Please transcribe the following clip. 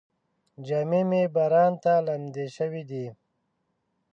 جامې مې باران ته لمدې شوې دي.